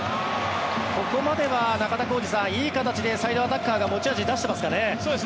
ここまでは中田浩二さんいい形でサイドアタッカーが持ち味を出していますかね。